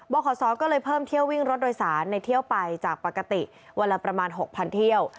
ขศก็เลยเพิ่มเที่ยววิ่งรถโดยสารในเที่ยวไปจากปกติวันละประมาณ๖๐๐เที่ยว